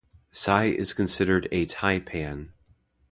Sy is considered a tai-pan.